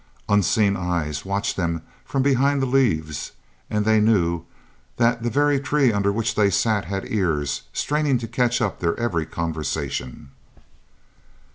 Unseen eyes watched them from behind the leaves, and they knew that the very trees under which they sat had ears, straining to catch up their every conversation.